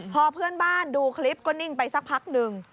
พอเพื่อนบ้านดูคลิปก็นิ่งไปสักพักหนึ่ง